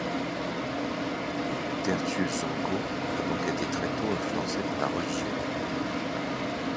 Tertius Zongo a donc été très tôt influencé par la religion.